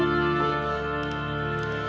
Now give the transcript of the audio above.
jangan lupa langsung kedua segalanya